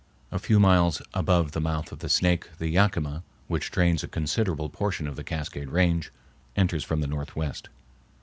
A few miles above the mouth of the Snake the Yakima, which drains a considerable portion of the Cascade Range, enters from the northwest.